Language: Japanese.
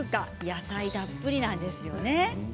野菜たっぷりな味ですね。